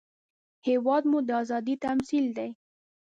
هېواد مو د ازادۍ تمثیل دی